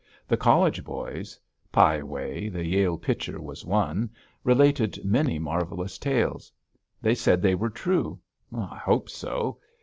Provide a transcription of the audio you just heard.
The college boys "Pie" Way, the Yale pitcher, was one related many marvelous tales. They said they were true. I hope so.